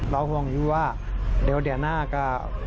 เราห่วงว่าเดี๋ยวเดียวหน้าก็